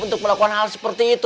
untuk melakukan hal seperti itu